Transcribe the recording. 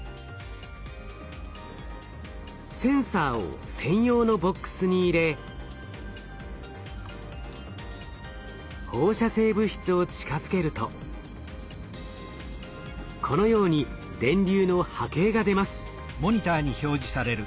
センサーを専用のボックスに入れ放射性物質を近づけるとこのように電流の波形が出ます。